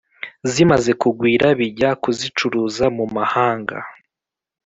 , zimaze kugwira, bijya kuzicuruza mu mahanga